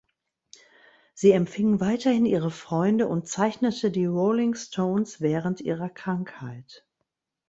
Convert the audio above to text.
Sie empfing weiterhin ihre Freunde und zeichnete die Rolling Stones während ihrer Krankheit.